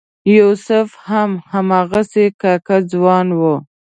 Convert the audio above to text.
یوسف هم هماغسې کاکه ځوان و.